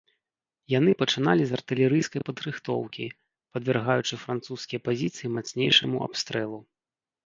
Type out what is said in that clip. Яны пачыналі з артылерыйскай падрыхтоўкі, падвяргаючы французскія пазіцыі мацнейшаму абстрэлу.